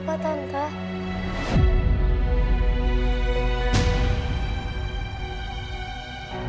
kejadian apa tante